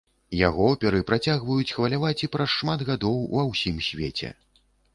Яго оперы працягваюць хваляваць і праз шмат гадоў ува ўсім свеце.